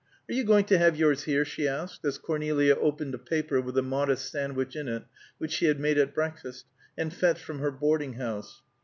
"Are you going to have yours here?" she asked, as Cornelia opened a paper with the modest sandwich in it which she had made at breakfast, and fetched from her boarding house.